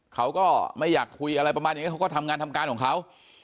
เขาก็ไม่อยากคุยอะไรประมาณอย่างนั้นเขาก็ทำงานทำการของเขา